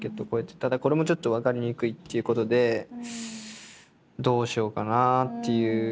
ただこれもちょっと分かりにくいっていうことでどうしようかなっていう。